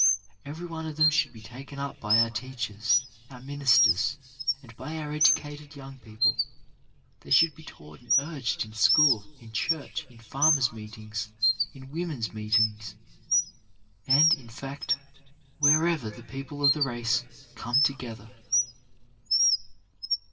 Every one of them should be taken up by our teachers, our ministers and by our educated young people. They should be taught and urged in school, in church, in farmers' meetings, in women's meetings, and, in fact, wherever the people of the race come together.